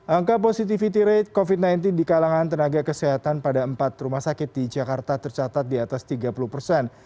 angka positivity rate covid sembilan belas di kalangan tenaga kesehatan pada empat rumah sakit di jakarta tercatat di atas tiga puluh persen